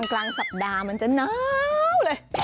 กลางสัปดาห์มันจะน้าวเลย